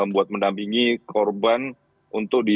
buat mendampingi korban untuk di